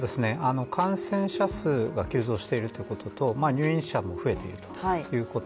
感染者数が急増しているということと入院者も増えているということ。